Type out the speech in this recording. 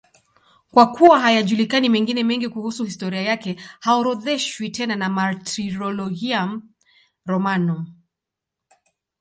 Kwa kuwa hayajulikani mengine mengi kuhusu historia yake, haorodheshwi tena na Martyrologium Romanum.